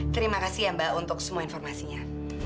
terima kasih ya mbak untuk semua informasinya